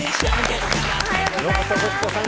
おはようございます。